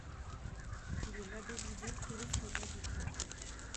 Il est labellisé Tourisme et Handicaps.